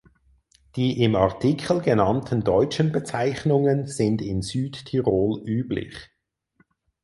Die im Artikel genannten deutschen Bezeichnungen sind in Südtirol üblich.